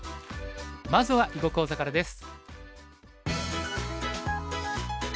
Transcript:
まずは囲碁講座からです。